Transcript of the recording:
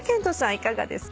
いかがですか？